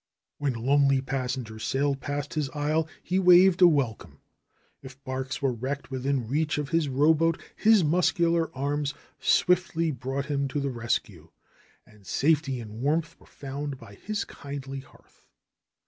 When lonely passengers sailed past his isle he waved a welcome. If barques were wrecked within reach of his rowboat his muscular arms swiftly brought him to the rescue, and safety and warmth were found by his kindly hearth.